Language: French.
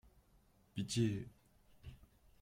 Pitié !